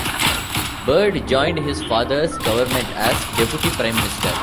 Bird joined his father's government as Deputy Prime Minister.